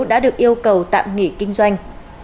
đã được yêu cầu tạm nghỉ kinh doanh